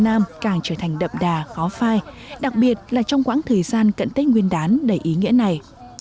ở nam càng trở thành đậm đà khó phai đặc biệt là trong quãng thời gian cận tết nguyên đán đầy ý nghĩa này